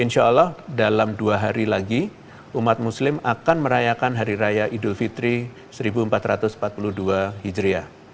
insya allah dalam dua hari lagi umat muslim akan merayakan hari raya idul fitri seribu empat ratus empat puluh dua hijriah